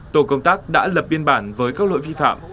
tổ công tác đã lập biên bản với các lỗi vi phạm